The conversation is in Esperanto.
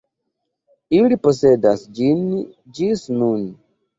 Ili posedas ĝin ĝis nun.